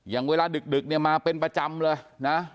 อย่างเวลาดึกเนี่ยมาเป็นประจำเลยนะ